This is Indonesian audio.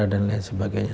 tenggara dan lain sebagainya